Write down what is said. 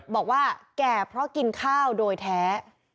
บอกว่าแก่เพราะกินข้าวโดยแท้